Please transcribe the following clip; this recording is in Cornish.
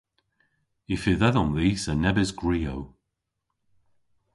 Y fydh edhom dhis a nebes gwriow.